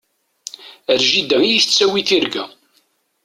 Ar jida i yi-tettawi tirga.